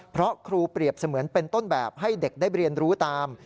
เพราะครูเปรียบเสมือนเป็นต้นแบบให้เด็กได้เรียนรู้ตาม